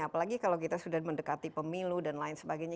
apalagi kalau kita sudah mendekati pemilu dan lain sebagainya